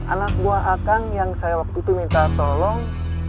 anak buah akang yang saya waktu itu minta tolong